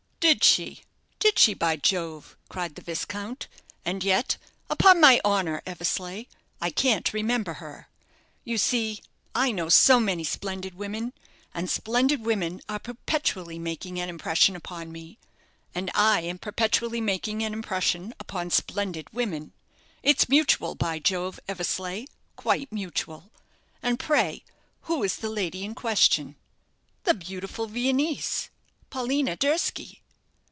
"Did she did she, by Jove?" cried the viscount; "and yet, upon my honour, Eversleigh, I can't remember her. You see, I know so many splendid women; and splendid women are perpetually making an impression upon me and I am perpetually making an impression upon splendid women. It's mutual, by Jove, Eversleigh, quite mutual. And pray, who is the lady in question?" "The beautiful Viennese, Paulina Durski."